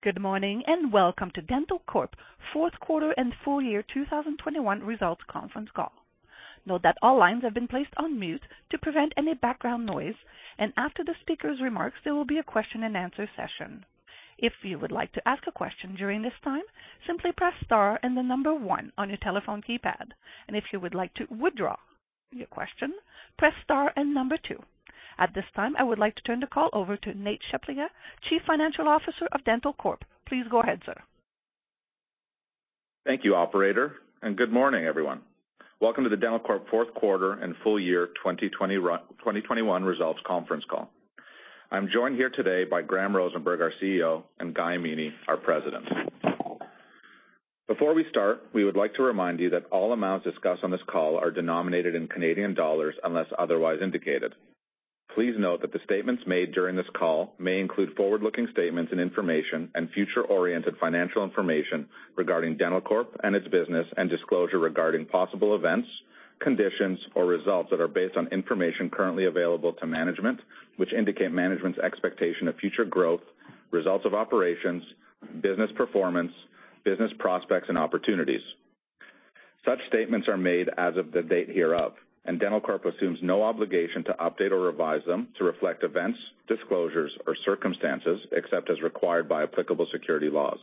Good morning, and Welcome to Dentalcorp Fourth Quarter and full year 2021 results conference call. Note that all lines have been placed on mute to prevent any background noise. After the speaker's remarks, there will be a question-and-answer session. If you would like to ask a question during this time, simply press * and the number 1 on your telephone keypad. If you would like to withdraw your question, press * and number 2. At this time, I would like to turn the call over to Nate Tchaplia, Chief Financial Officer of dentalcorp. Please go ahead, sir. Thank you, operator, and good morning, everyone. Welcome to the dentalcorp fourth quarter and full year 2021 results conference call. I'm joined here today by Graham Rosenberg, our CEO, and Guy Amini, our President. Before we start, we would like to remind you that all amounts discussed on this call are denominated in Canadian dollars, unless otherwise indicated. Please note that the statements made during this call may include forward-looking statements and information and future-oriented financial information regarding dentalcorp and its business and disclosure regarding possible events, conditions, or results that are based on information currently available to management, which indicate management's expectation of future growth, results of operations, business performance, business prospects, and opportunities. Such statements are made as of the date hereof, and dentalcorp assumes no obligation to update or revise them to reflect events, disclosures, or circumstances except as required by applicable securities laws.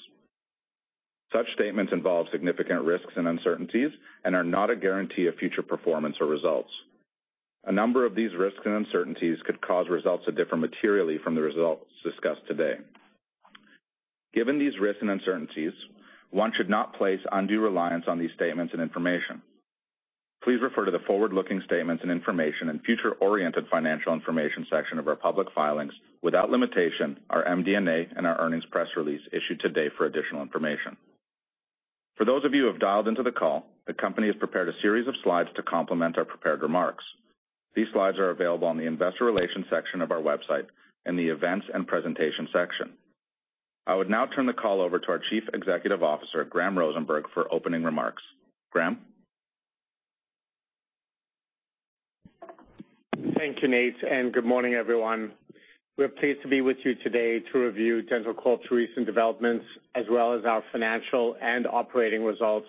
Such statements involve significant risks and uncertainties and are not a guarantee of future performance or results. A number of these risks and uncertainties could cause results to differ materially from the results discussed today. Given these risks and uncertainties, one should not place undue reliance on these statements and information. Please refer to the forward-looking statements and information and future-oriented financial information section of our public filings, without limitation, our MD&A and our earnings press release issued today, for additional information. For those of you who have dialed into the call, the company has prepared a series of slides to complement our prepared remarks. These slides are available on the investor relations section of our website in the events and presentation section. I would now turn the call over to our Chief Executive Officer, Graham Rosenberg, for opening remarks. Graham. Thank you, Nate, and good morning, everyone. We're pleased to be with you today to review dentalcorp's recent developments, as well as our financial and operating results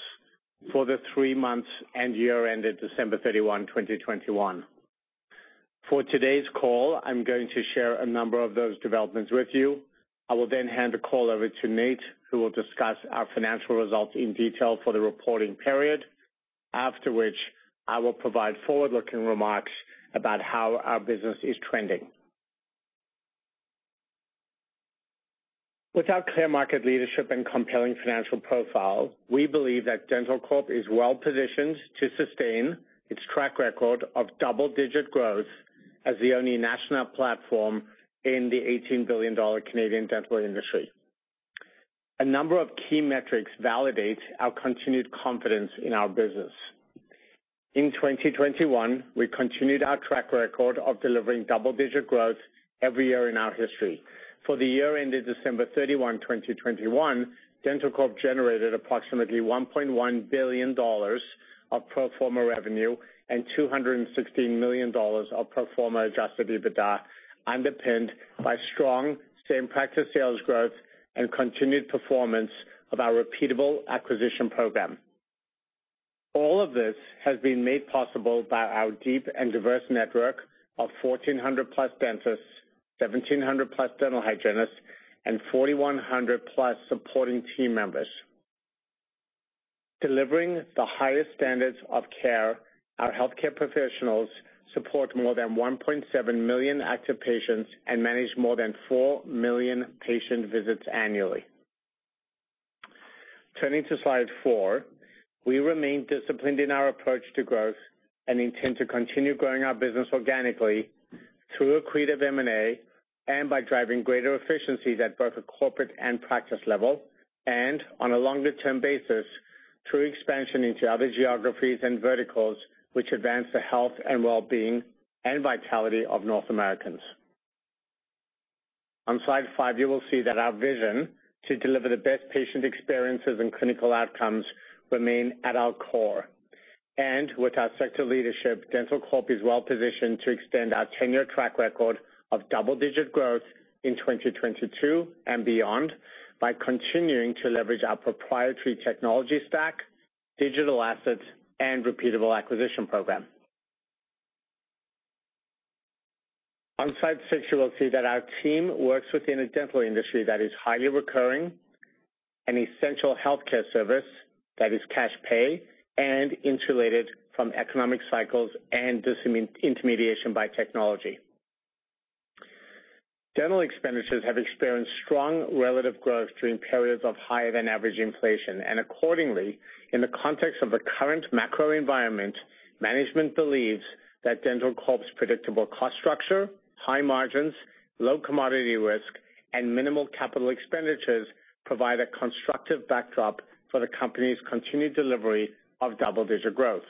for the three months and year ended December 31, 2021. For today's call, I'm going to share a number of those developments with you. I will then hand the call over to Nate, who will discuss our financial results in detail for the reporting period, after which I will provide forward-looking remarks about how our business is trending. Without clear market leadership and compelling financial profile, we believe that dentalcorp is well-positioned to sustain its track record of double-digit growth as the only national platform in the 18 billion Canadian dollars Canadian dental industry. A number of key metrics validate our continued confidence in our business. In 2021, we continued our track record of delivering double-digit growth every year in our history. For the year ended December 31, 2021, dentalcorp generated approximately 1.1 billion dollars of pro forma revenue and 216 million dollars of pro forma adjusted EBITDA, underpinned by strong same practice sales growth and continued performance of our repeatable acquisition program. All of this has been made possible by our deep and diverse network of 1,400+ dentists, 1,700+ dental hygienists, and 4,100+ supporting team members. Delivering the highest standards of care, our healthcare professionals support more than 1.7 million active patients and manage more than 4 million patient visits annually. Turning to slide 4, we remain disciplined in our approach to growth and intend to continue growing our business organically through accretive M&A and by driving greater efficiencies at both a corporate and practice level and on a longer-term basis through expansion into other geographies and verticals which advance the health and well-being and vitality of North Americans. On slide 5, you will see that our vision to deliver the best patient experiences and clinical outcomes remain at our core. With our sector leadership, dentalcorp is well positioned to extend our 10-year track record of double-digit growth in 2022 and beyond by continuing to leverage our proprietary technology stack, digital assets, and repeatable acquisition program. On slide six, you will see that our team works within a dental industry that is highly recurring, an essential healthcare service that is cash pay and insulated from economic cycles and disintermediation by technology. Dental expenditures have experienced strong relative growth during periods of higher than average inflation. Accordingly, in the context of the current macro environment, management believes that dentalcorp's predictable cost structure, high margins, low commodity risk, and minimal capital expenditures provide a constructive backdrop for the company's continued delivery of double-digit growth.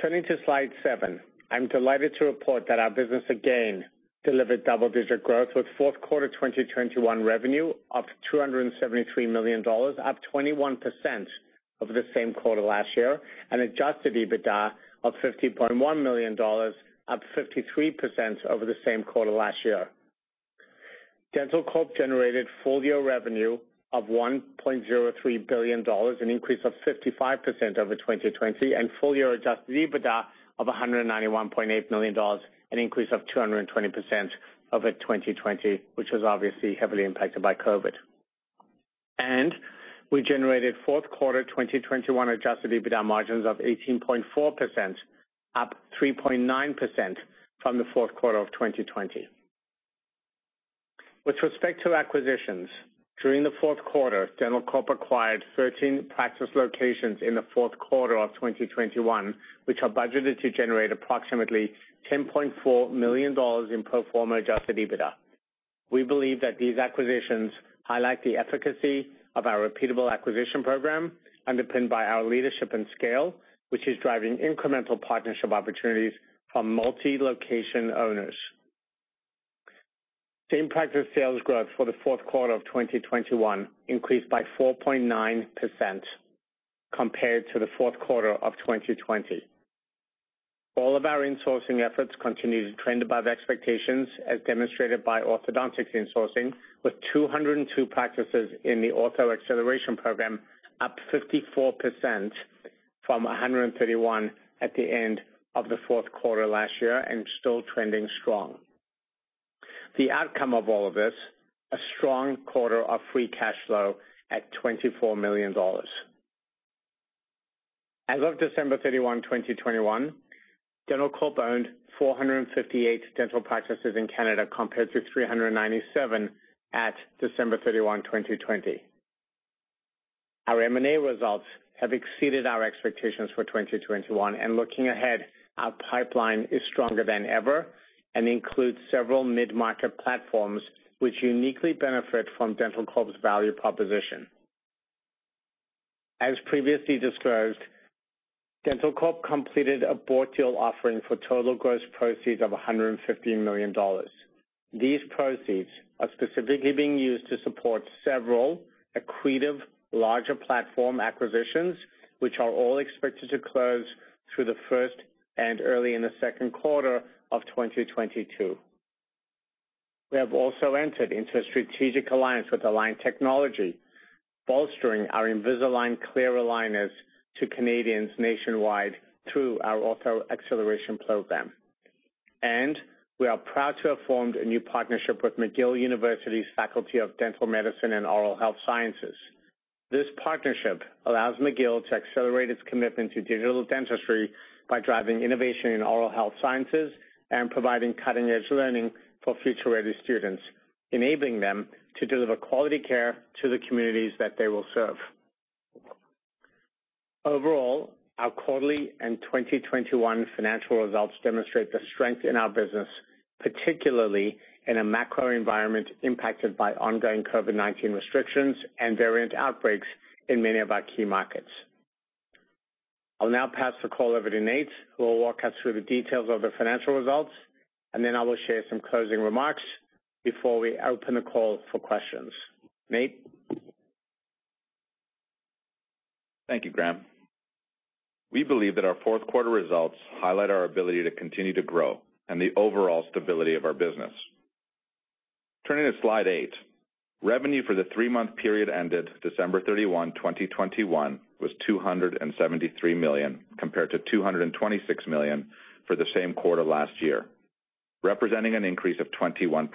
Turning to slide seven, I'm delighted to report that our business again delivered double-digit growth with fourth quarter 2021 revenue of CAD 273 million, up 21% over the same quarter last year, and adjusted EBITDA of CAD 50.1 million, up 53% over the same quarter last year. dentalcorp generated full year revenue of 1.03 billion dollars, an increase of 55% over 2020, and full year adjusted EBITDA of 191.8 million dollars, an increase of 220% over 2020, which was obviously heavily impacted by COVID. We generated fourth quarter 2021 adjusted EBITDA margins of 18.4%, up 3.9% from the fourth quarter of 2020. With respect to acquisitions, during the fourth quarter, dentalcorp acquired 13 practice locations in the fourth quarter of 2021, which are budgeted to generate approximately 10.4 million dollars in pro forma adjusted EBITDA. We believe that these acquisitions highlight the efficacy of our repeatable acquisition program, underpinned by our leadership and scale, which is driving incremental partnership opportunities from multi-location owners. Same-practice sales growth for the fourth quarter of 2021 increased by 4.9% compared to the fourth quarter of 2020. All of our insourcing efforts continued to trend above expectations, as demonstrated by orthodontics insourcing, with 202 practices in the Ortho Acceleration Program, up 54% from 131 at the end of the fourth quarter last year, and still trending strong. The outcome of all of this, a strong quarter of free cash flow at 24 million dollars. As of December 31, 2021, dentalcorp owned 458 dental practices in Canada compared to 397 at December 31, 2020. Our M&A results have exceeded our expectations for 2021. Looking ahead, our pipeline is stronger than ever and includes several mid-market platforms which uniquely benefit from dentalcorp's value proposition. As previously disclosed, dentalcorp completed a bought deal offering for total gross proceeds of 115 million dollars. These proceeds are specifically being used to support several accretive larger platform acquisitions, which are all expected to close through the first and early in the second quarter of 2022. We have also entered into a strategic alliance with Align Technology, bolstering our Invisalign clear aligners to Canadians nationwide through our Ortho Acceleration Program. We are proud to have formed a new partnership with McGill University's Faculty of Dental Medicine and Oral Health Sciences. This partnership allows McGill to accelerate its commitment to digital dentistry by driving innovation in oral health sciences and providing cutting-edge learning for future-ready students, enabling them to deliver quality care to the communities that they will serve. Overall, our quarterly and 2021 financial results demonstrate the strength in our business, particularly in a macro environment impacted by ongoing COVID-19 restrictions and variant outbreaks in many of our key markets. I'll now pass the call over to Nate, who will walk us through the details of the financial results, and then I will share some closing remarks before we open the call for questions. Nate? Thank you, Graham. We believe that our fourth quarter results highlight our ability to continue to grow and the overall stability of our business. Turning to slide 8, revenue for the three-month period ended December 31, 2021 was 273 million, compared to 226 million for the same quarter last year, representing an increase of 21%.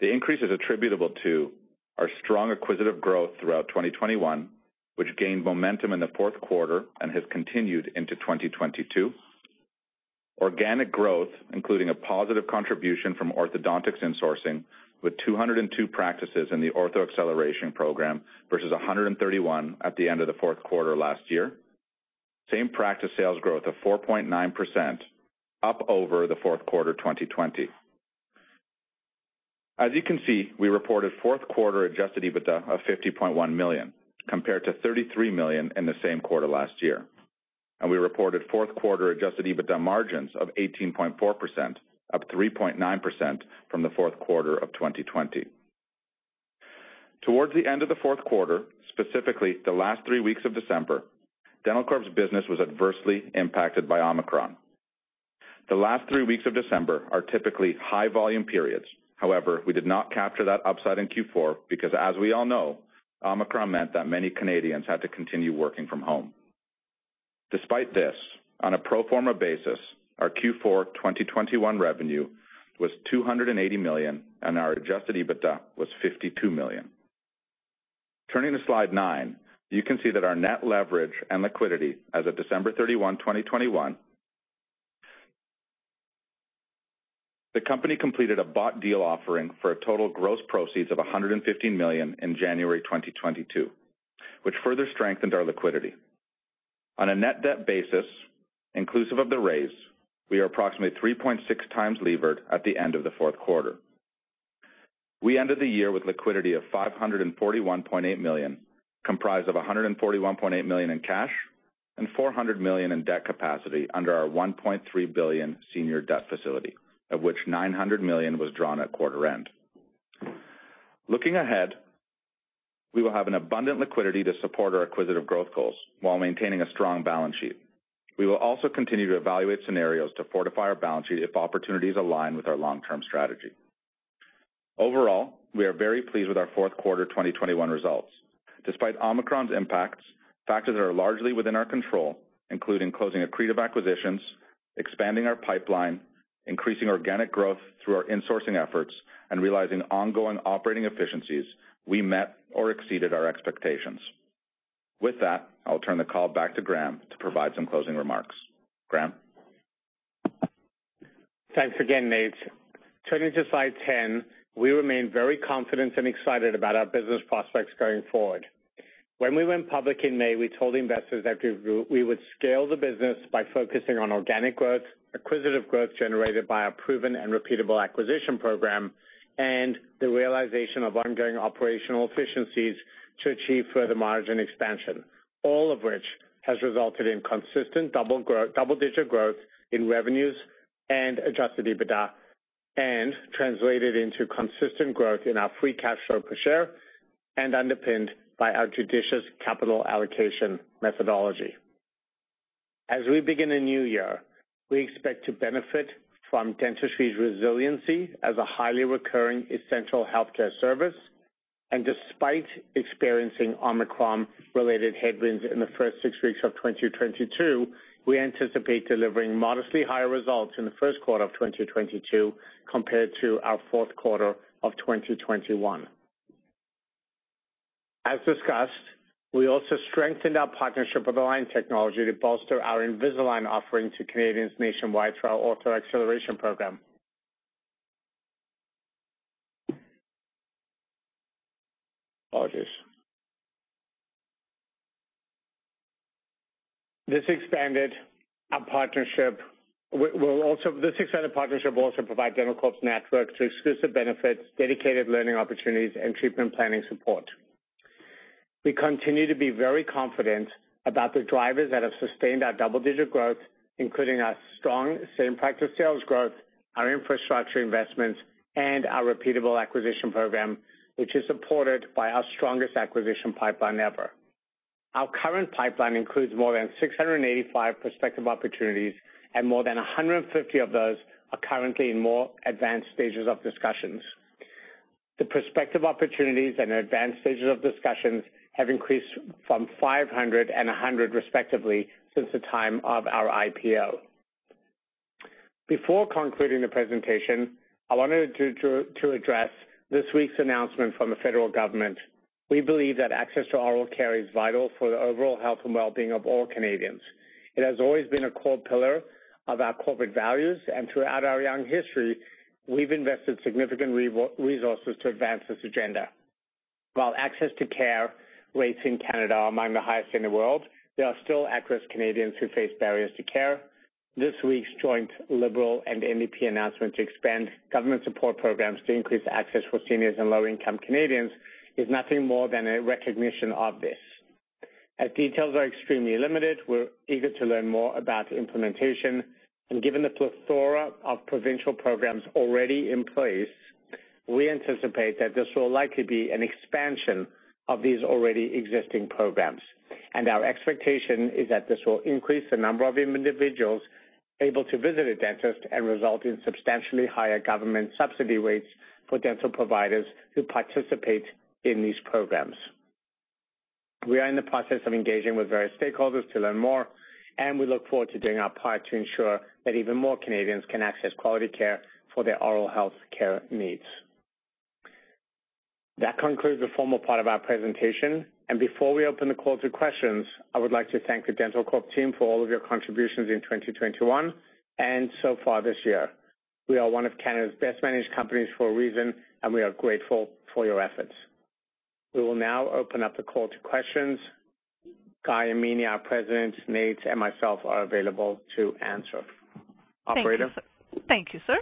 The increase is attributable to our strong acquisitive growth throughout 2021, which gained momentum in the fourth quarter and has continued into 2022. Organic growth, including a positive contribution from orthodontics insourcing with 202 practices in the Ortho Acceleration Program versus 131 at the end of the fourth quarter last year. Same practice sales growth of 4.9%, up over the fourth quarter 2020. As you can see, we reported fourth quarter adjusted EBITDA of 50.1 million, compared to 33 million in the same quarter last year. We reported fourth quarter adjusted EBITDA margins of 18.4%, up 3.9% from the fourth quarter of 2020. Towards the end of the fourth quarter, specifically the last three weeks of December, dentalcorp's business was adversely impacted by Omicron. The last three weeks of December are typically high volume periods. However, we did not capture that upside in Q4 because as we all know, Omicron meant that many Canadians had to continue working from home. Despite this, on a pro forma basis, our Q4 2021 revenue was 280 million, and our adjusted EBITDA was 52 million. Turning to slide 9, you can see that our net leverage and liquidity as of December 31, 2021. The company completed a bought deal offering for a total gross proceeds of 115 million in January 2022, which further strengthened our liquidity. On a net debt basis, inclusive of the raise, we are approximately 3.6 times levered at the end of the fourth quarter. We ended the year with liquidity of 541.8 million, comprised of 141.8 million in cash and 400 million in debt capacity under our 1.3 billion senior debt facility, of which 900 million was drawn at quarter end. Looking ahead, we will have an abundant liquidity to support our acquisitive growth goals while maintaining a strong balance sheet. We will also continue to evaluate scenarios to fortify our balance sheet if opportunities align with our long-term strategy. Overall, we are very pleased with our fourth quarter 2021 results. Despite Omicron's impacts, factors that are largely within our control, including closing accretive acquisitions, expanding our pipeline, increasing organic growth through our insourcing efforts, and realizing ongoing operating efficiencies, we met or exceeded our expectations. With that, I'll turn the call back to Graham to provide some closing remarks. Graham? Thanks again, Nate. Turning to slide 10, we remain very confident and excited about our business prospects going forward. When we went public in May, we told investors that we would scale the business by focusing on organic growth, acquisitive growth generated by our proven and repeatable acquisition program, and the realization of ongoing operational efficiencies to achieve further margin expansion. All of which has resulted in consistent double-digit growth in revenues and adjusted EBITDA, and translated into consistent growth in our free cash flow per share and underpinned by our judicious capital allocation methodology. As we begin a new year, we expect to benefit from dentistry's resiliency as a highly recurring essential healthcare service. Despite experiencing Omicron-related headwinds in the first 6 weeks of 2022, we anticipate delivering modestly higher results in the first quarter of 2022 compared to our fourth quarter of 2021. As discussed, we also strengthened our partnership with Align Technology to bolster our Invisalign offering to Canadians nationwide through our Ortho Acceleration Program. This expanded partnership will also provide dentalcorp's network through exclusive benefits, dedicated learning opportunities, and treatment planning support. We continue to be very confident about the drivers that have sustained our double-digit growth, including our strong same-practice sales growth, our infrastructure investments, and our repeatable acquisition program, which is supported by our strongest acquisition pipeline ever. Our current pipeline includes more than 685 prospective opportunities, and more than 150 of those are currently in more advanced stages of discussions. The prospective opportunities and advanced stages of discussions have increased from 500 and 100 respectively since the time of our IPO. Before concluding the presentation, I wanted to address this week's announcement from the federal government. We believe that access to oral care is vital for the overall health and well-being of all Canadians. It has always been a core pillar of our corporate values, and throughout our young history, we've invested significant resources to advance this agenda. While access to care rates in Canada are among the highest in the world, there are still at-risk Canadians who face barriers to care. This week's joint Liberal and NDP announcement to expand government support programs to increase access for seniors and low-income Canadians is nothing more than a recognition of this. As details are extremely limited, we're eager to learn more about implementation. Given the plethora of provincial programs already in place, we anticipate that this will likely be an expansion of these already existing programs. Our expectation is that this will increase the number of individuals able to visit a dentist and result in substantially higher government subsidy rates for dental providers who participate in these programs. We are in the process of engaging with various stakeholders to learn more, and we look forward to doing our part to ensure that even more Canadians can access quality care for their oral health care needs. That concludes the formal part of our presentation. Before we open the call to questions, I would like to thank the dentalcorp team for all of your contributions in 2021 and so far this year. We are one of Canada's best managed companies for a reason, and we are grateful for your efforts. We will now open up the call to questions. Guy Amini, our President, Nate, and myself are available to answer. Operator? Thank you, sir.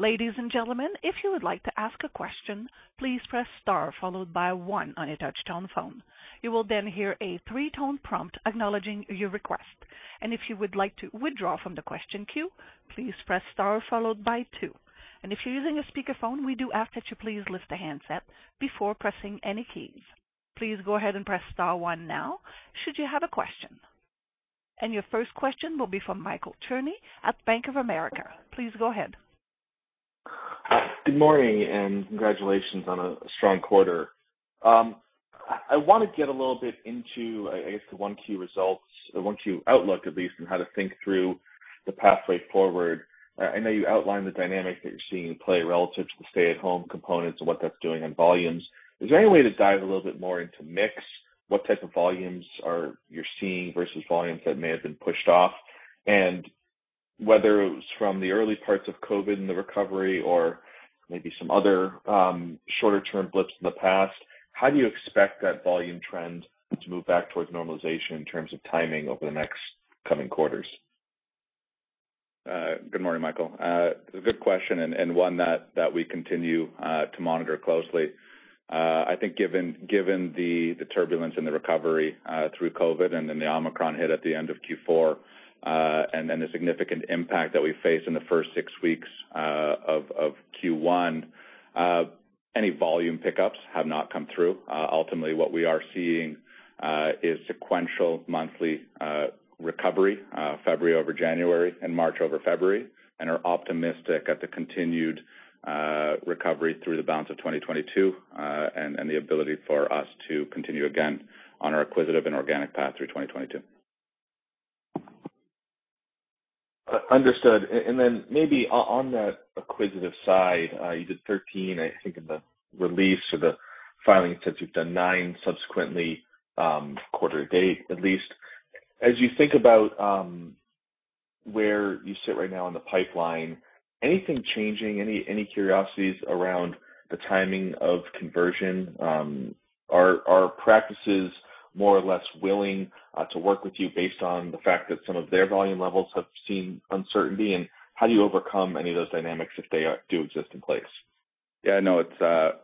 Ladies and gentlemen, if you would like to ask a question, please press * followed by one on your touchtone phone. You will then hear a three-tone prompt acknowledging your request. If you would like to withdraw from the question queue, please press * followed by two. If you're using a speakerphone, we do ask that you please lift the handset before pressing any keys. Please go ahead and press * one now should you have a question. Your first question will be from Michael Cherny at Bank of America. Please go ahead. Good morning, and congratulations on a strong quarter. I wanna get a little bit into, I guess, the Q1 results or Q1 outlook at least, and how to think through the pathway forward. I know you outlined the dynamic that you're seeing in play relative to the stay-at-home components and what that's doing on volumes. Is there any way to dive a little bit more into mix? What type of volumes are you seeing versus volumes that may have been pushed off? Whether it was from the early parts of COVID and the recovery or maybe some other shorter term blips in the past, how do you expect that volume trend to move back towards normalization in terms of timing over the next coming quarters? Good morning, Michael. It's a good question and one that we continue to monitor closely. I think given the turbulence in the recovery through COVID and then the Omicron hit at the end of Q4, and then the significant impact that we faced in the first six weeks of Q1, any volume pickups have not come through. Ultimately, what we are seeing is sequential monthly recovery, February over January and March over February, and are optimistic at the continued recovery through the balance of 2022, and the ability for us to continue again on our acquisitive and organic path through 2022. Understood. Maybe on that acquisitive side, you did 13, I think in the release or the filing since you've done 9 subsequently, quarter to date, at least. As you think about where you sit right now in the pipeline, anything changing? Any curiosities around the timing of conversion? Are practices more or less willing to work with you based on the fact that some of their volume levels have seen uncertainty? How do you overcome any of those dynamics if they do exist in place? Yeah, no. It's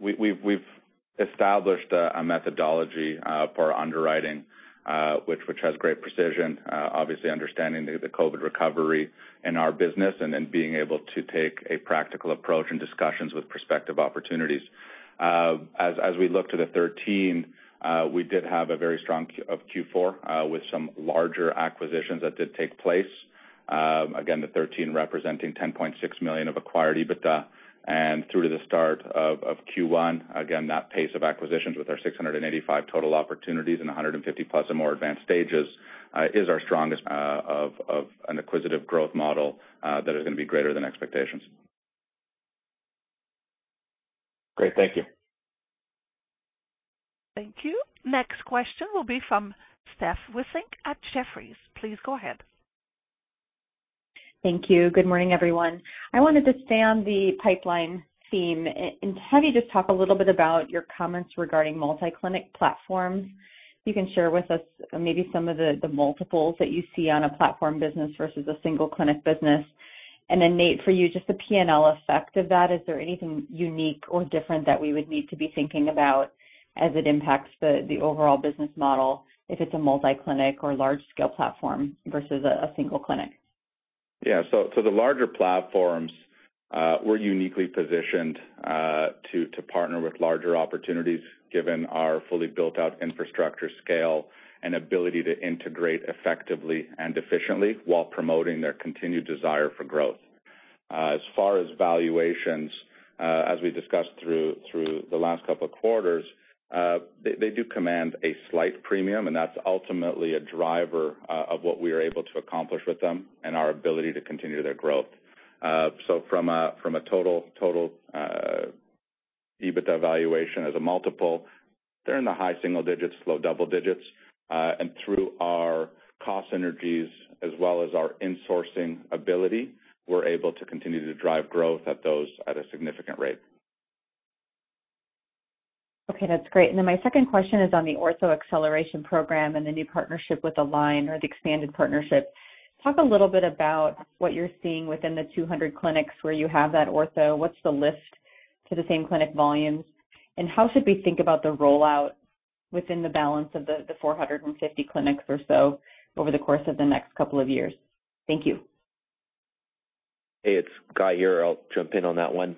we've established a methodology for underwriting, which has great precision, obviously understanding the COVID recovery in our business and then being able to take a practical approach in discussions with prospective opportunities. As we look to the 13, we did have a very strong Q4 with some larger acquisitions that did take place. Again, the 13 representing 10.6 million of acquired EBITDA. Through to the start of Q1, again, that pace of acquisitions with our 685 total opportunities and 150-plus or more advanced stages is our strongest of an acquisitive growth model that is gonna be greater than expectations. Great. Thank you. Thank you. Next question will be from Steph Wissink at Jefferies. Please go ahead. Thank you. Good morning, everyone. I wanted to stay on the pipeline theme and have you just talk a little bit about your comments regarding multi-clinic platforms. If you can share with us maybe some of the multiples that you see on a platform business versus a single clinic business. Nate, for you, just the P&L effect of that. Is there anything unique or different that we would need to be thinking about as it impacts the overall business model if it's a multi-clinic or large scale platform versus a single clinic? Yeah. The larger platforms we're uniquely positioned to partner with larger opportunities given our fully built out infrastructure scale and ability to integrate effectively and efficiently while promoting their continued desire for growth. As far as valuations, as we discussed through the last couple of quarters, they do command a slight premium, and that's ultimately a driver of what we are able to accomplish with them and our ability to continue their growth. From a total EBITDA valuation as a multiple, they're in the high single digits, low double digits. Through our cost synergies as well as our insourcing ability, we're able to continue to drive growth at those at a significant rate. Okay, that's great. My second question is on the Ortho Acceleration Program and the new partnership with Align or the expanded partnership. Talk a little bit about what you're seeing within the 200 clinics where you have that ortho. What's the lift to the same clinic volumes, and how should we think about the rollout within the balance of the 450 clinics or so over the course of the next couple of years? Thank you. Hey, it's Guy here. I'll jump in on that one.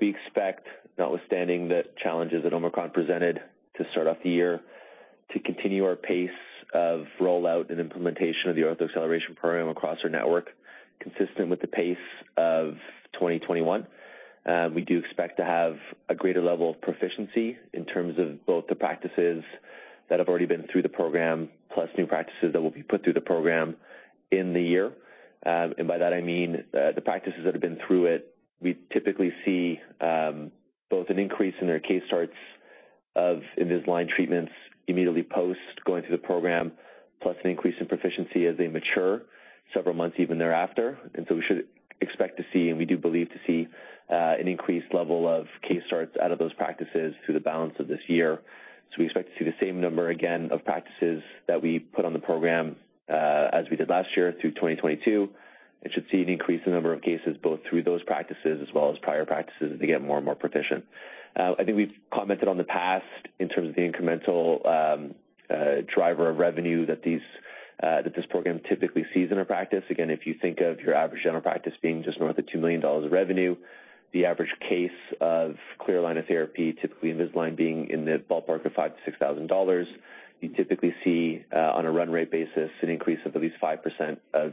We expect, notwithstanding the challenges that Omicron presented to start off the year, to continue our pace of rollout and implementation of the Ortho Acceleration Program across our network, consistent with the pace of 2021. We do expect to have a greater level of proficiency in terms of both the practices that have already been through the program, plus new practices that will be put through the program in the year. By that I mean, the practices that have been through it, we typically see both an increase in their case starts of Invisalign treatments immediately post going through the program, plus an increase in proficiency as they mature several months even thereafter. We should expect to see, and we do believe to see, an increased level of case starts out of those practices through the balance of this year. We expect to see the same number again of practices that we put on the program, as we did last year through 2022. It should see an increase in number of cases both through those practices as well as prior practices as they get more and more proficient. I think we've commented on the past in terms of the incremental driver of revenue that this program typically sees in our practice. If you think of your average general practice being just north of 2 million dollars of revenue, the average case of clear aligner therapy, typically Invisalign being in the ballpark of 5,000-6,000 dollars, you typically see on a run rate basis an increase of at least 5% of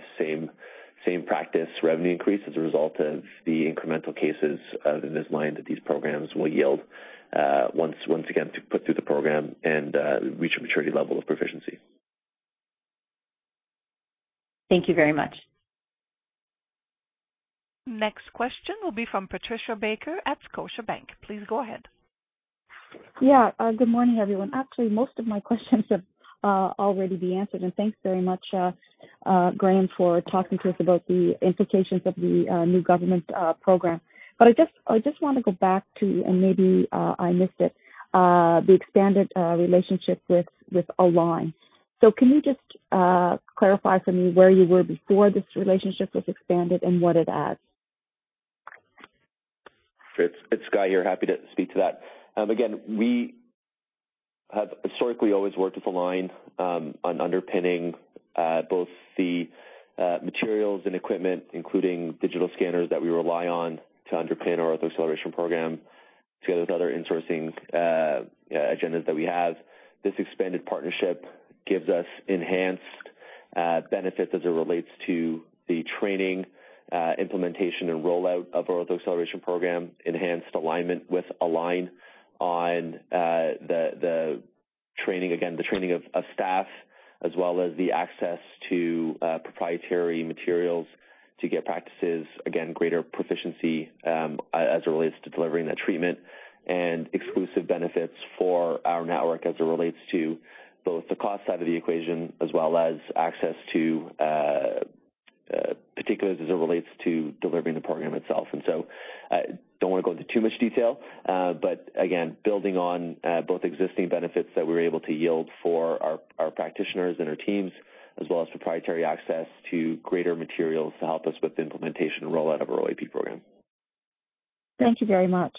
same practice revenue increase as a result of the incremental cases of Invisalign that these programs will yield, once again to put through the program and reach a maturity level of proficiency. Thank you very much. Next question will be from Patricia Baker at Scotiabank. Please go ahead. Yeah. Good morning, everyone. Actually, most of my questions have already been answered. Thanks very much, Graham, for talking to us about the implications of the new government program. I just wanna go back to, and maybe I missed it, the expanded relationship with Align. Can you just clarify for me where you were before this relationship was expanded and what it adds? It's Guy here. Happy to speak to that. Again, we have historically always worked with Align on underpinning both the materials and equipment, including digital scanners that we rely on to underpin our Ortho Acceleration Program together with other insourcing agendas that we have. This expanded partnership gives us enhanced benefits as it relates to the training implementation and rollout of our Ortho Acceleration Program, enhanced alignment with Align on the training again, the training of staff, as well as the access to proprietary materials to get practices again, greater proficiency as it relates to delivering that treatment and exclusive benefits for our network as it relates to both the cost side of the equation as well as access to particulars as it relates to delivering the program itself. I don't wanna go into too much detail, but again, building on both existing benefits that we're able to yield for our practitioners and our teams, as well as proprietary access to greater materials to help us with the implementation and rollout of our OAP program. Thank you very much.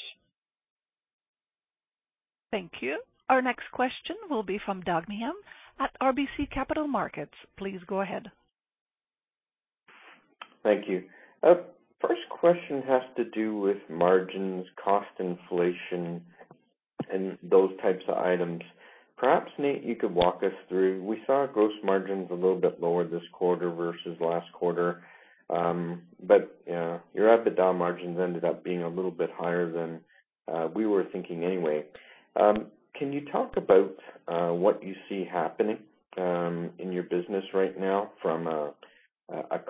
Thank you. Our next question will be from Doug Miehm at RBC Capital Markets. Please go ahead. Thank you. First question has to do with margins, cost inflation, and those types of items. Perhaps, Nate, you could walk us through. We saw gross margins a little bit lower this quarter versus last quarter. You know, your EBITDA margins ended up being a little bit higher than we were thinking anyway. Can you talk about what you see happening in your business right now from a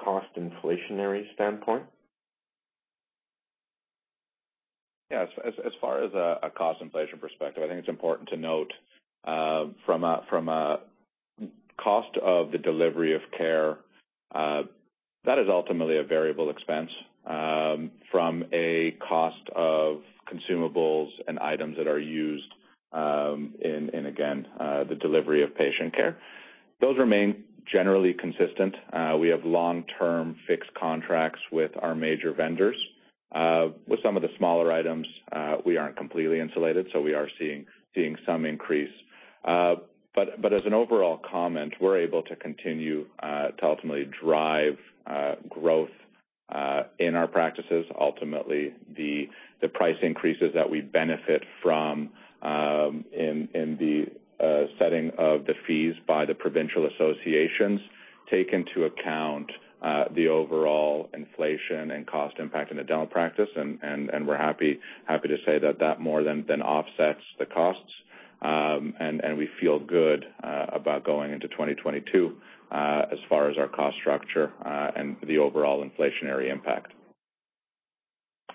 cost inflationary standpoint? Yes. As far as a cost inflation perspective, I think it's important to note from a cost of the delivery of care, that is ultimately a variable expense, from a cost of consumables and items that are used in again the delivery of patient care. Those remain generally consistent. We have long-term fixed contracts with our major vendors. With some of the smaller items, we aren't completely insulated, so we are seeing some increase. But as an overall comment, we're able to continue to ultimately drive growth in our practices. Ultimately, the price increases that we benefit from in the setting of the fees by the provincial associations take into account the overall inflation and cost impact in the dental practice, and we're happy to say that more than offsets the costs. We feel good about going into 2022 as far as our cost structure and the overall inflationary impact.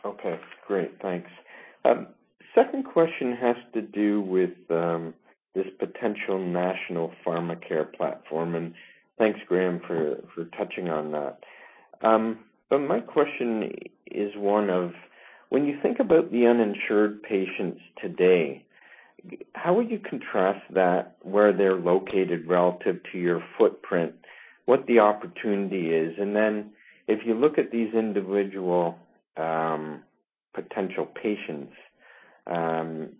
Okay, great. Thanks. Second question has to do with this potential national pharmacare platform, and thanks, Graham, for touching on that. My question is one of, when you think about the uninsured patients today, how would you contrast that where they're located relative to your footprint, what the opportunity is. If you look at these individual potential patients and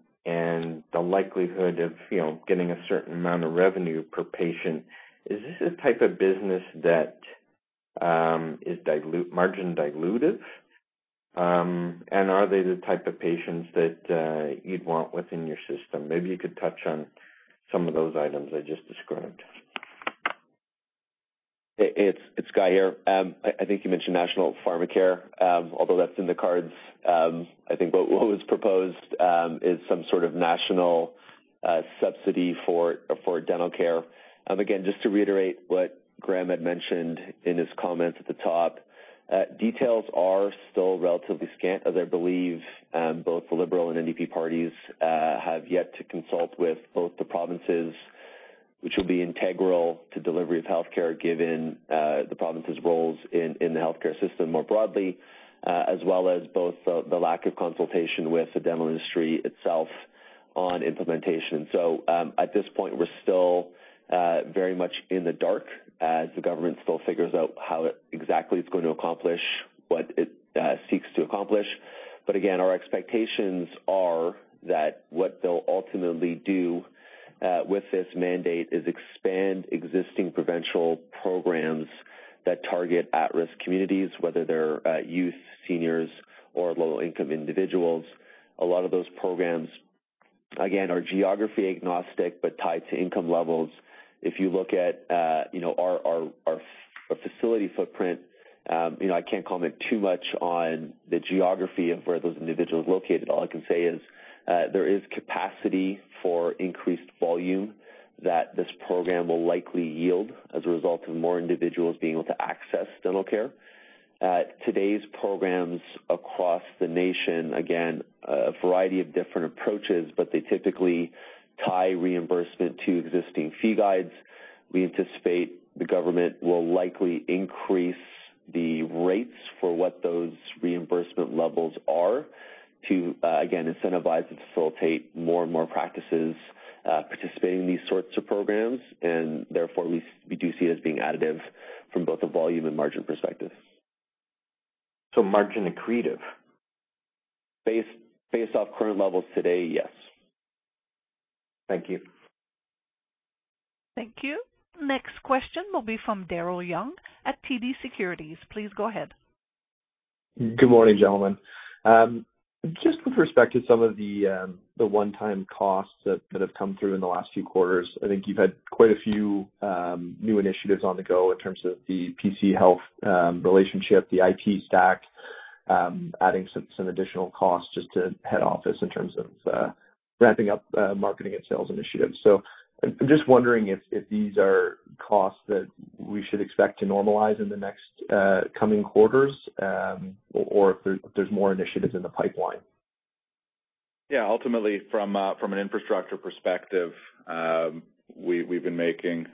the likelihood of, you know, getting a certain amount of revenue per patient, is this the type of business that is margin dilutive. Are they the type of patients that you'd want within your system. Maybe you could touch on some of those items I just described. It's Guy here. I think you mentioned national pharmacare. Although that's in the cards, I think what was proposed is some sort of national subsidy for dental care. Again, just to reiterate what Graham had mentioned in his comments at the top, details are still relatively scant, as I believe both the Liberal and NDP parties have yet to consult with both the provinces, which will be integral to delivery of healthcare given the provinces' roles in the healthcare system more broadly, as well as the lack of consultation with the dental industry itself on implementation. At this point, we're still very much in the dark as the government still figures out how it exactly is going to accomplish what it seeks to accomplish. Again, our expectations are that what they'll ultimately do with this mandate is expand existing provincial programs that target at-risk communities, whether they're youth, seniors, or low-income individuals. A lot of those programs, again, are geography agnostic but tied to income levels. If you look at you know, our facility footprint, you know, I can't comment too much on the geography of where those individuals are located. All I can say is there is capacity for increased volume that this program will likely yield as a result of more individuals being able to access dental care. Today's programs across the nation, again, a variety of different approaches, but they typically tie reimbursement to existing fee guides. The government will likely increase the rates for what those reimbursement levels are to, again, incentivize and facilitate more and more practices participating in these sorts of programs, and therefore we do see it as being additive from both a volume and margin perspective. Margin accretive? Based off current levels today, yes. Thank you. Thank you. Next question will be from Daryl Young at TD Securities. Please go ahead. Good morning, gentlemen. Just with respect to some of the one-time costs that have come through in the last few quarters, I think you've had quite a few new initiatives on the go in terms of the PC Health relationship, the IT stack, adding some additional costs just to head office in terms of ramping up marketing and sales initiatives. I'm just wondering if these are costs that we should expect to normalize in the next coming quarters or if there's more initiatives in the pipeline. Yeah, ultimately from an infrastructure perspective, we've been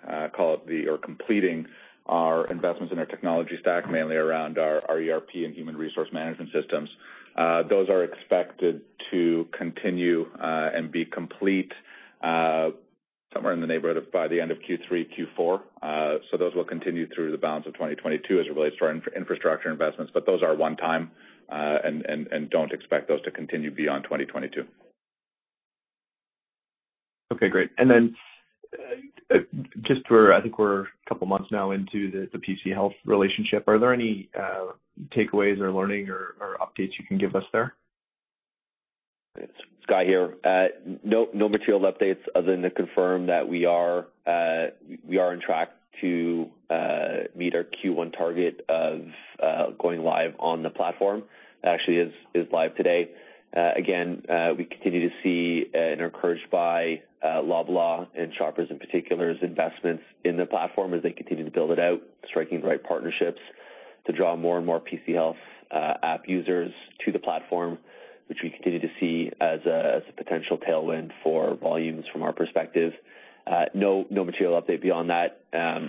completing our investments in our technology stack, mainly around our ERP and human resource management systems. Those are expected to continue and be complete somewhere in the neighborhood of by the end of Q3, Q4. Those will continue through the balance of 2022 as it relates to our infrastructure investments, but those are one-time and don't expect those to continue beyond 2022. Okay, great. Then, just for, I think we're a couple months now into the PC Health relationship. Are there any, takeaways or learning or updates you can give us there? It's Scott here. No material updates other than to confirm that we are on track to meet our Q1 target of going live on the platform. Actually, it is live today. Again, we continue to see and are encouraged by Loblaw and Shoppers in particular's investments in the platform as they continue to build it out, striking the right partnerships to draw more and more PC Health app users to the platform, which we continue to see as a potential tailwind for volumes from our perspective. No material update beyond that.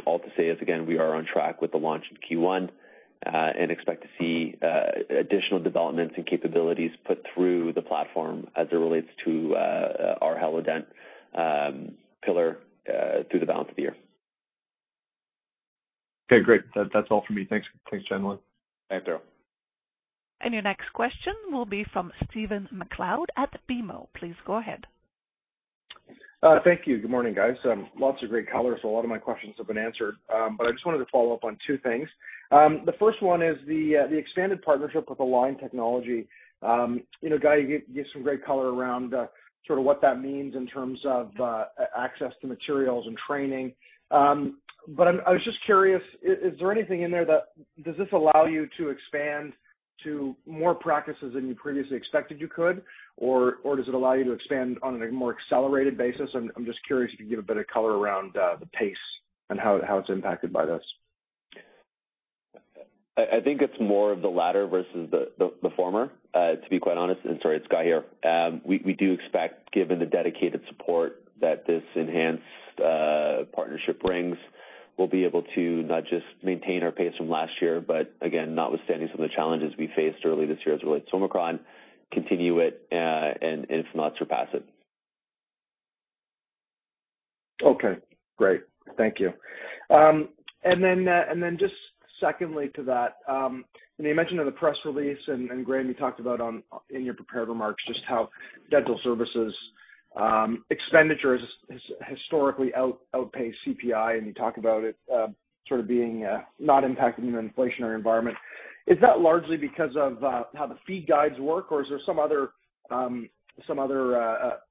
All to say is, again, we are on track with the launch in Q1 and expect to see additional developments and capabilities put through the platform as it relates to our hellodent pillar through the balance of the year. Okay, great. That's all for me. Thanks. Thanks, gentlemen. Thanks, Daryl. Your next question will be from Stephen MacLeod at BMO. Please go ahead. Thank you. Good morning, guys. Lots of great color, so a lot of my questions have been answered. I just wanted to follow up on two things. The first one is the expanded partnership with Align Technology. You know, Guy, you gave some great color around sort of what that means in terms of access to materials and training. I was just curious, is there anything in there that does this allow you to expand to more practices than you previously expected you could, or does it allow you to expand on a more accelerated basis? I'm just curious if you could give a bit of color around the pace and how it's impacted by this. I think it's more of the latter versus the former, to be quite honest. Sorry, it's Scott here. We do expect, given the dedicated support that this enhanced partnership brings, we'll be able to not just maintain our pace from last year but, again, notwithstanding some of the challenges we faced early this year as it relates to Omicron, continue it and if not surpass it. Okay, great. Thank you. Just secondly to that, you mentioned in the press release and Graham, you talked about in your prepared remarks just how dental services expenditures has historically outpaced CPI, and you talk about it sort of being not impacted in an inflationary environment. Is that largely because of how the fee guides work, or is there some other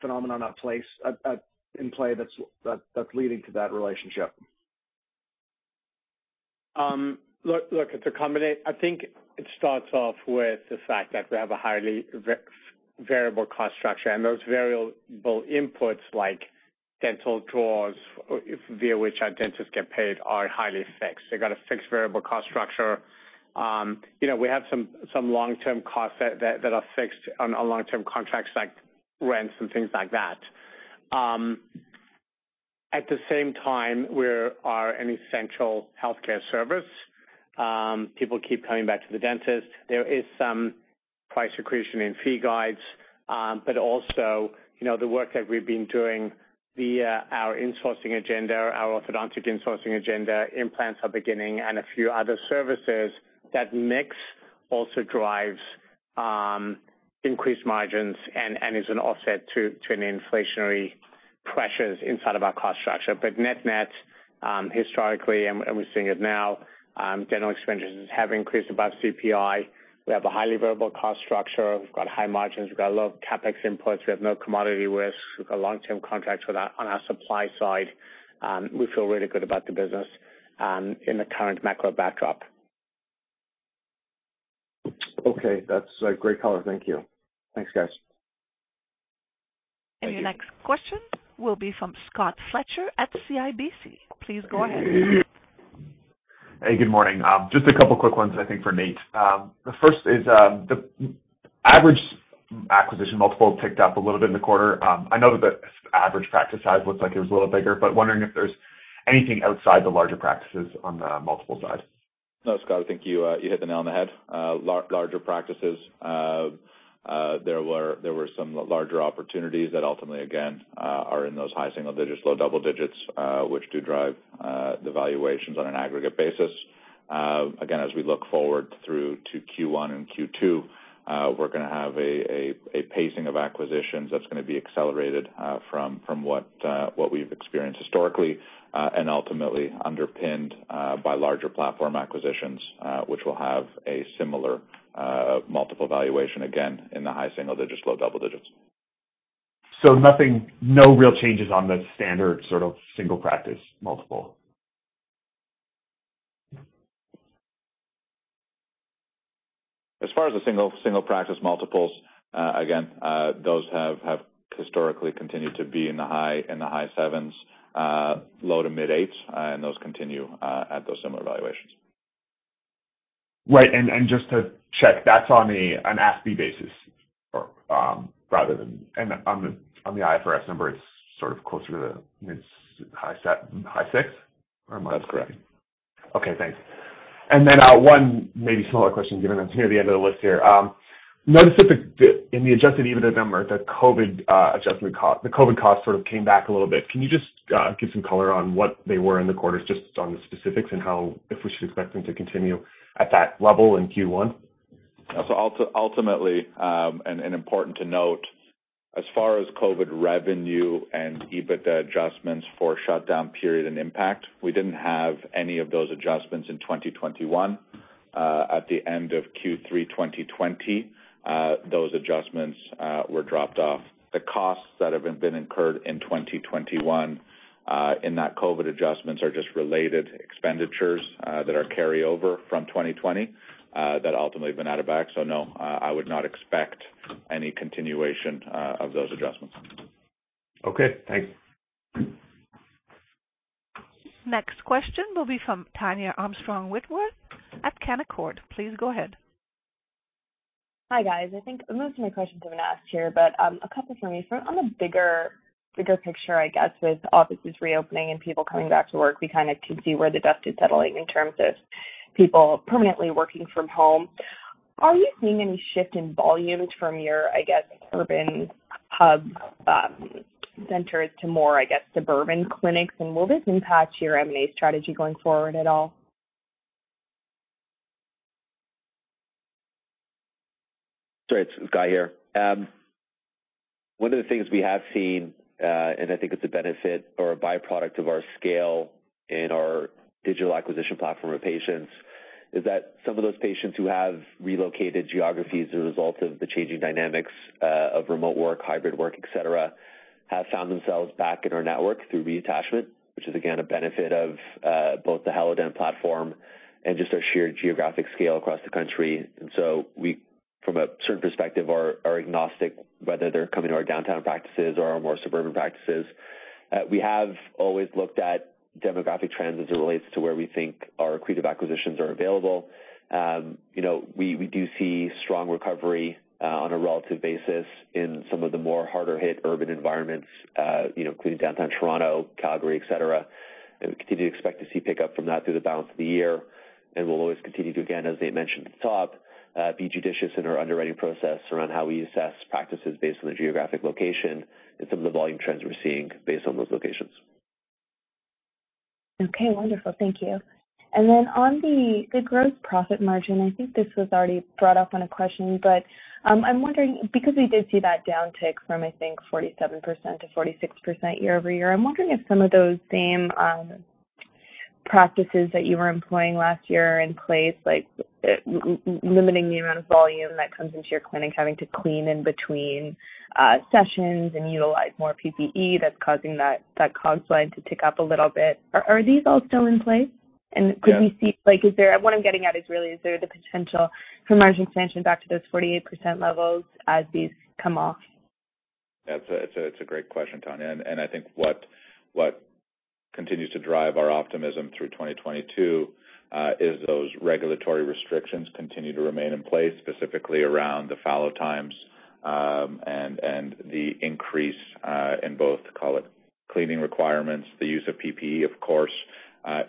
phenomenon at play that's leading to that relationship? Look, I think it starts off with the fact that we have a highly variable cost structure, and those variable inputs like dental draws via which our dentists get paid are highly fixed. They've got a fixed variable cost structure. You know, we have some long-term costs that are fixed on long-term contracts like rents and things like that. At the same time, we are an essential healthcare service. People keep coming back to the dentist. There is some price accretion in fee guides, but also, you know, the work that we've been doing via our insourcing agenda, our orthodontic insourcing agenda, implants are beginning, and a few other services, that mix also drives increased margins and is an offset to any inflationary pressures inside of our cost structure. Net-net, historically, and we're seeing it now, dental expenditures have increased above CPI. We have a highly variable cost structure. We've got high margins. We've got a lot of CapEx inputs. We have no commodity risk. We've got long-term contracts with our, on our supply side. We feel really good about the business, in the current macro backdrop. Okay. That's great color. Thank you. Thanks, guys. Thank you. Your next question will be from Scott Fletcher at CIBC. Please go ahead. Hey, good morning. Just a couple quick ones, I think for Nate. The first is, the average acquisition multiple ticked up a little bit in the quarter. I know that the average practice size looks like it was a little bigger, but wondering if there's anything outside the larger practices on the multiple side. No, Scott, I think you hit the nail on the head. Larger practices. There were some larger opportunities that ultimately, again, are in those high single digits, low double digits, which do drive the valuations on an aggregate basis. Again, as we look forward through to Q1 and Q2, we're gonna have a pacing of acquisitions that's gonna be accelerated from what we've experienced historically, and ultimately underpinned by larger platform acquisitions, which will have a similar multiple valuation, again, in the high single digits, low double digits. Nothing, no real changes on the standard sort of single practice multiple? As far as the single practice multiples, again, those have historically continued to be in the high sevens, low to mid eights, and those continue at those similar valuations. Right. Just to check, that's on an ASPE basis or rather than and on the IFRS number, it's sort of closer to the high 6 or am I- That's correct. Okay, thanks. Then one maybe smaller question given that it's near the end of the list here. I noticed that the in the adjusted EBITDA number, the COVID adjustment cost, the COVID costs sort of came back a little bit. Can you just give some color on what they were in the quarters, just on the specifics and how, if we should expect them to continue at that level in Q1? Ultimately, important to note, as far as COVID revenue and EBITDA adjustments for shutdown period and impact, we didn't have any of those adjustments in 2021. At the end of Q3 2020, those adjustments were dropped off. The costs that have been incurred in 2021 in that COVID adjustments are just related expenditures that are carryover from 2020 that ultimately have been added back. No, I would not expect any continuation of those adjustments. Okay, thanks. Next question will be from Tania Armstrong-Whitworth at Canaccord. Please go ahead. Hi, guys. I think most of my questions have been asked here, but a couple from me. From a bigger picture, I guess, with offices reopening and people coming back to work, we kinda can see where the dust is settling in terms of people permanently working from home. Are you seeing any shift in volumes from your, I guess, urban hub centers to more, I guess, suburban clinics? Will this impact your M&A strategy going forward at all? Sure. It's Guy here. One of the things we have seen, and I think it's a benefit or a byproduct of our scale in our digital acquisition platform for patients, is that some of those patients who have relocated geographies as a result of the changing dynamics of remote work, hybrid work, et cetera, have found themselves back in our network through reattachment, which is again a benefit of both the hellodent platform and just our sheer geographic scale across the country. We, from a certain perspective, are agnostic, whether they're coming to our downtown practices or our more suburban practices. We have always looked at demographic trends as it relates to where we think our accretive acquisitions are available. You know, we do see strong recovery on a relative basis in some of the more harder hit urban environments, you know, including downtown Toronto, Calgary, et cetera. We continue to expect to see pickup from that through the balance of the year. We'll always continue to, again, as Nate mentioned at the top, be judicious in our underwriting process around how we assess practices based on the geographic location and some of the volume trends we're seeing based on those locations. Okay, wonderful. Thank you. On the gross profit margin, I think this was already brought up in a question, but I'm wondering because we did see that downtick from, I think, 47%-46% year-over-year. I'm wondering if some of those same practices that you were employing last year are in place, like limiting the amount of volume that comes into your clinic, having to clean in between sessions and utilize more PPE that's causing that cost line to tick up a little bit. Are these all still in place? Yeah. What I'm getting at is really, is there the potential for margin expansion back to those 48% levels as these come off? That's a great question, Tania. I think what continues to drive our optimism through 2022 is those regulatory restrictions continue to remain in place, specifically around the fallow times and the increase in both, call it, cleaning requirements. The use of PPE, of course,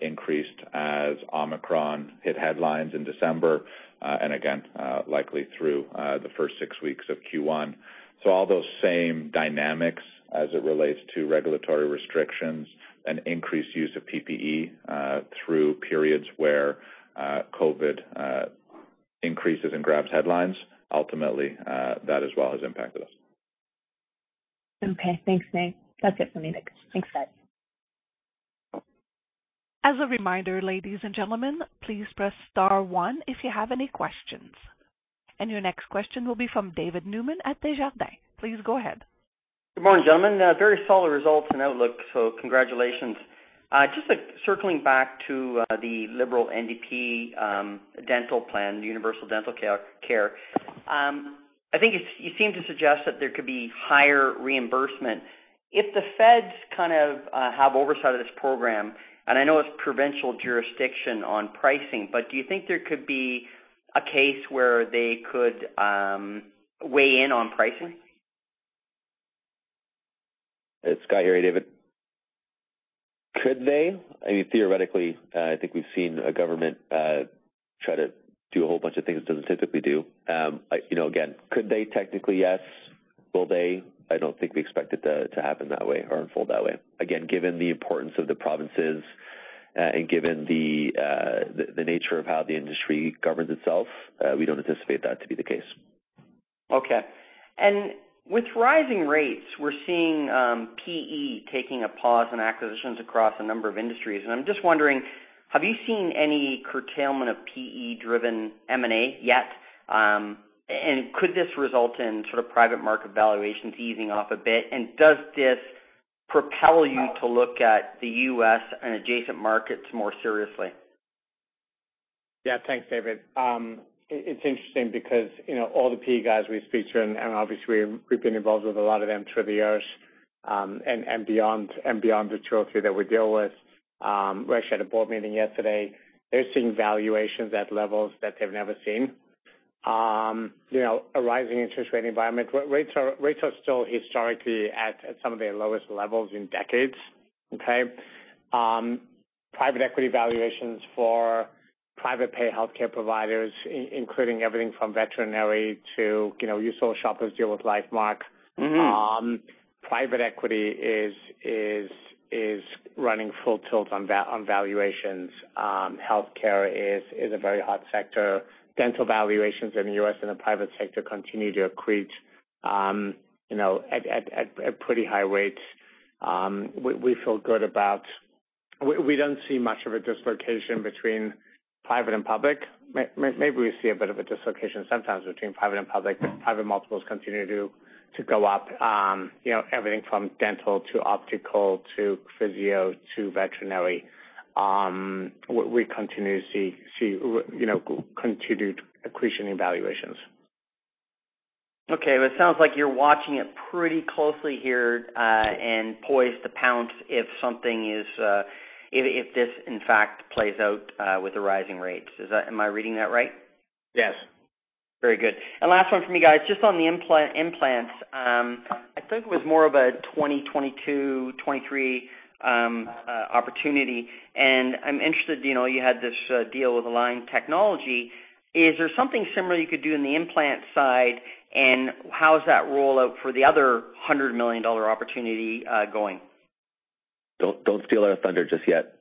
increased as Omicron hit headlines in December and again likely through the first six weeks of Q1. All those same dynamics as it relates to regulatory restrictions and increased use of PPE through periods where COVID increases and grabs headlines ultimately that as well has impacted us. Okay. Thanks, Nate. That's it for me. Thanks, guys. As a reminder, ladies and gentlemen, please press * one if you have any questions. Your next question will be from David Newman at Desjardins. Please go ahead. Good morning, gentlemen. Very solid results and outlook, so congratulations. Just like circling back to the Liberal NDP dental plan, universal dental care. I think it's, you seem to suggest that there could be higher reimbursement If the feds kind of have oversight of this program, and I know it's provincial jurisdiction on pricing, but do you think there could be a case where they could weigh in on pricing? It's Scott here, David. Could they? I mean, theoretically, I think we've seen a government try to do a whole bunch of things it doesn't typically do. You know, again, could they technically? Yes. Will they? I don't think we expect it to happen that way or unfold that way. Again, given the importance of the provinces, and given the nature of how the industry governs itself, we don't anticipate that to be the case. Okay. With rising rates, we're seeing PE taking a pause in acquisitions across a number of industries, and I'm just wondering, have you seen any curtailment of PE-driven M&A yet? Could this result in sort of private market valuations easing off a bit? Does this propel you to look at the U.S. and adjacent markets more seriously? Yeah. Thanks, David. It's interesting because, you know, all the PE guys we speak to, and obviously we've been involved with a lot of them through the years, and beyond the two or three that we deal with. We actually had a board meeting yesterday. They're seeing valuations at levels that they've never seen. You know, a rising interest rate environment. Rates are still historically at some of their lowest levels in decades, okay? Private equity valuations for private pay healthcare providers including everything from veterinary to, you know, you saw Shoppers deal with Lifemark. Mm-hmm. Private equity is running full tilt on valuations. Healthcare is a very hot sector. Dental valuations in the U.S. in the private sector continue to accrete, you know, at pretty high rates. We feel good about. We don't see much of a dislocation between private and public. Maybe we see a bit of a dislocation sometimes between private and public, but private multiples continue to go up. You know, everything from dental to optical to physio to veterinary, we continue to see, you know, continued accretion in valuations. Okay. Well, it sounds like you're watching it pretty closely here, and poised to pounce if this in fact plays out with the rising rates. Am I reading that right? Yes. Very good. Last one for me, guys. Just on the implants, I think it was more of a 2022, 2023 opportunity, and I'm interested, you know, you had this deal with Align Technology. Is there something similar you could do in the implant side, and how's that rollout for the other 100 million dollar opportunity going? Don't steal our thunder just yet.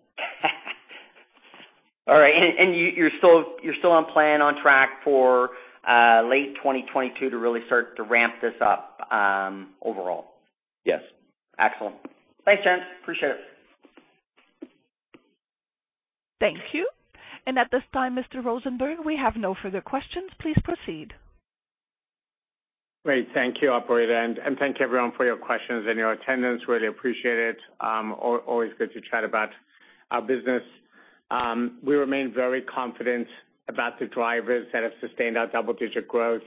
All right. You're still on plan, on track for late 2022 to really start to ramp this up, overall? Yes. Excellent. Thanks, gents. Appreciate it. Thank you. At this time, Mr. Rosenberg, we have no further questions. Please proceed. Great. Thank you, operator, and thank you everyone for your questions and your attendance. Really appreciate it. Always good to chat about our business. We remain very confident about the drivers that have sustained our double-digit growth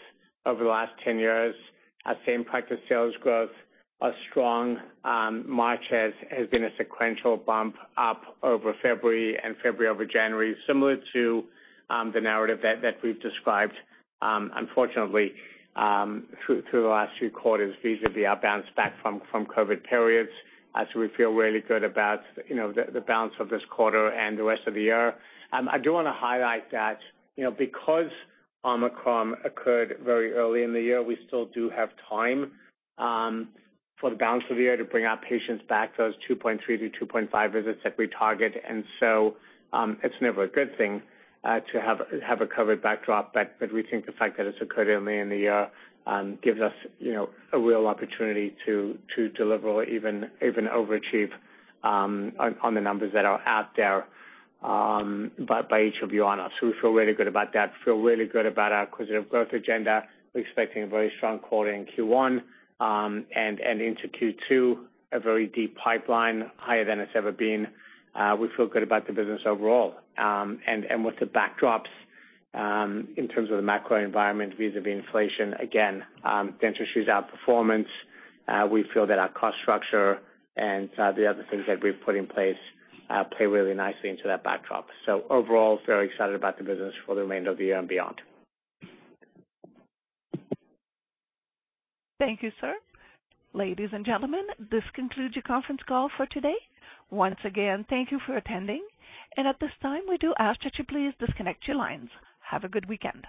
over the last 10 years. Our same-practice sales growth are strong. March has been a sequential bump up over February and February over January, similar to the narrative that we've described, unfortunately, through the last few quarters vis-à-vis our bounce back from COVID periods. We feel really good about the balance of this quarter and the rest of the year. I do wanna highlight that, you know, because Omicron occurred very early in the year, we still do have time for the balance of the year to bring our patients back, those 2.3-2.5 visits that we target. It's never a good thing to have a COVID backdrop, but we think the fact that it's occurred early in the year gives us, you know, a real opportunity to deliver or even overachieve on the numbers that are out there by each of you on us. So we feel really good about that. We feel really good about our acquisitive growth agenda. We're expecting a very strong quarter in Q1 and into Q2, a very deep pipeline, higher than it's ever been. We feel good about the business overall. With the backdrops, in terms of the macro environment vis-à-vis inflation, again, dental expenditures outperformance. We feel that our cost structure and the other things that we've put in place play really nicely into that backdrop. Overall, very excited about the business for the remainder of the year and beyond. Thank you, sir. Ladies and gentlemen, this concludes your conference call for today. Once again, thank you for attending. At this time, we do ask that you please disconnect your lines. Have a good weekend.